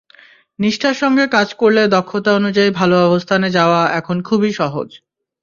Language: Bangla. নিষ্ঠার সঙ্গে কাজ করলে দক্ষতা অনুযায়ী ভালো অবস্থানে যাওয়া এখন খুবই সহজ।